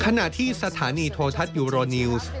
ขณะที่สถานีโททัศน์ยูโรนิวส์